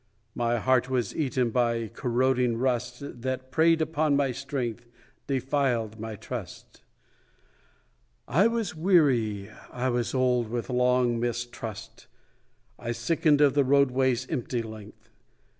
My heart was eaten by corroding rust That preyed upon my strength, Defiled my trust; I was weary, I was old with long mistrust, I sickened of the roadway's empty length.